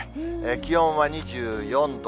気温は２４度。